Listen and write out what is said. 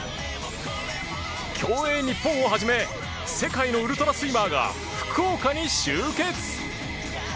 競泳日本を始め世界のウルトラスイマーが福岡に集結！